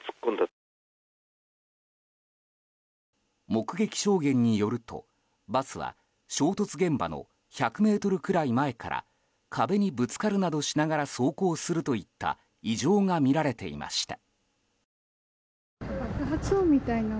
目撃証言によるとバスは衝突現場の１００ｍくらい前から壁にぶつかるなどしながら走行するといった異常が見られていました。